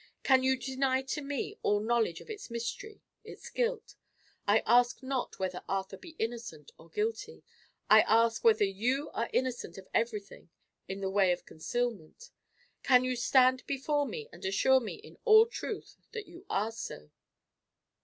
Can you deny to me all knowledge of its mystery, its guilt? I ask not whether Arthur be innocent or guilty; I ask whether you are innocent of everything in the way of concealment. Can you stand before me and assure me, in all truth, that you are so?"